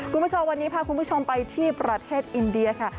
คุณผู้ชมวันนี้พาคุณผู้ชมไปที่ประเทศอินเดียค่ะ